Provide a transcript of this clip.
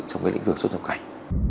trong các lĩnh vực xuất nhập cảnh